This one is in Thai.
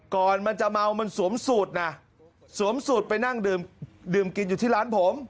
ก่อนมันจะเมามันสวมสูตรนะสวมสูตรไปนั่งดื่มกินอยู่ที่ร้านผม